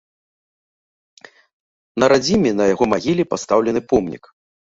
На радзіме на яго магіле пастаўлены помнік.